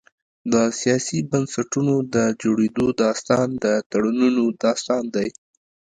د سیاسي بنسټونو د جوړېدو داستان د تړونونو داستان دی.